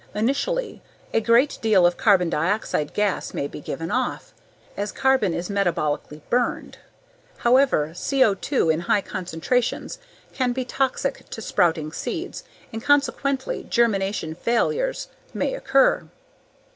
Initially, a great deal of carbon dioxide gas may be given off, as carbon is metabolically "burned." However, CO2 in high concentrations can be toxic to sprouting seeds and consequently, germination failures may occur.